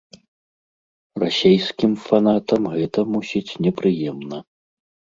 Расейскім фанатам гэта, мусіць, непрыемна.